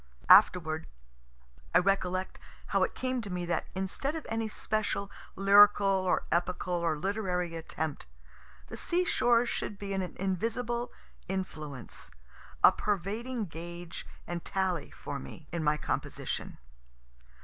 Afterward, I recollect, how it came to me that instead of any special lyrical or epical or literary attempt, the sea shore should be an invisible influence, a pervading gauge and tally for me, in my composition.